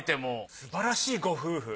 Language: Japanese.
すばらしいご夫婦。